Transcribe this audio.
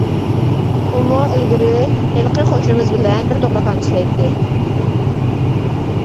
ئۇمۇ ئىلگىرى ھېلىقى قوشنىمىز بىلەن بىر دوختۇرخانىدا ئىشلەيتتى.